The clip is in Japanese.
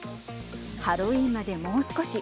ハロウィーンまでもう少し。